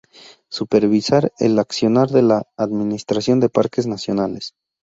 Supervisar el accionar de la Administración de Parques Nacionales.